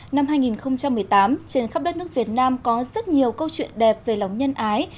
năm hai nghìn một mươi tám trên khắp đất nước việt nam có rất nhiều câu chuyện đẹp về lòng nhân ái